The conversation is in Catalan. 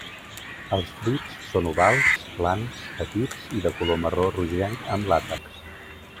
Els fruits són ovals, plans, petits i de color marró rogenc amb làtex.